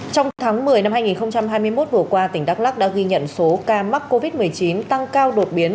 trong tháng một mươi năm hai nghìn hai mươi một vừa qua tỉnh đắk lắc đã ghi nhận số ca mắc covid một mươi chín tăng cao đột biến